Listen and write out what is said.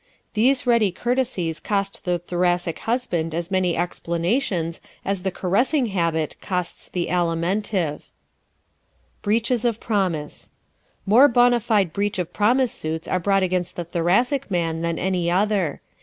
These ready courtesies cost the Thoracic husband as many explanations as the caressing habit costs the Alimentive. Breaches of Promise ¶ More bona fide breach of promise suits are brought against the Thoracic man than any other.